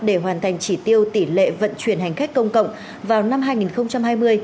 để hoàn thành chỉ tiêu tỷ lệ vận chuyển hành khách công cộng vào năm hai nghìn hai mươi